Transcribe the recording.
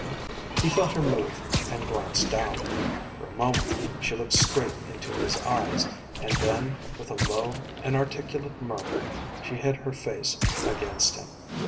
He felt her move and glanced down. For a moment she looked straight into his eyes, and then with a low, inarticulate murmur she hid her face against him.